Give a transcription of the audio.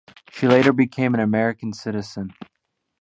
She later became an American citizen.